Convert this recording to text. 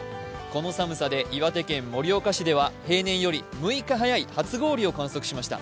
この寒さで岩手県盛岡市では平年より６日早い初氷を観測しました。